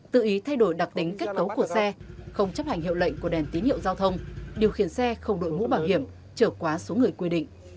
tự ý thay đổi đặc tính kết cấu của xe không chấp hành hiệu lệnh của đèn tín hiệu giao thông điều khiển xe không đội mũ bảo hiểm trở quá số người quy định